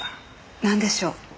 なんでしょう？